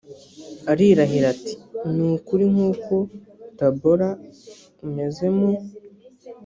arirahira ati ni ukuri nk uko tabora umeze mu